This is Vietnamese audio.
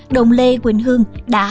đồng lê quỳnh hương đã